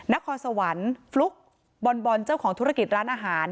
นครสวรรค์ฟลุ๊กบอลเจ้าของธุรกิจร้านอาหาร